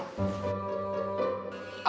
udah bisa saja